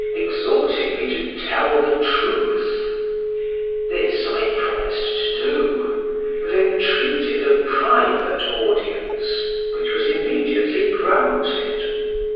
exhorting me to tell the truth; this I promised to do, but entreated a private audience, which was immediately granted.